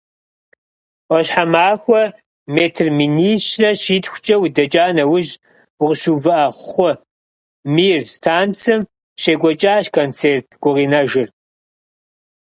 Ӏуащхьэмахуэ метр минищрэ щитхукӏэ удэкӀа нэужь, укъыщыувыӀэ хъу, «Мир» станцым щекӀуэкӀащ концерт гукъинэжыр.